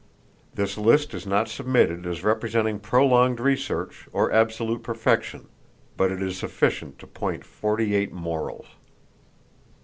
This list is not submitted as representing prolonged research or absolute perfection, but it is sufficient to point forty eight morals.